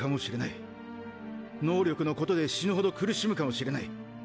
能力のことで死ぬほど苦しむかもしれない。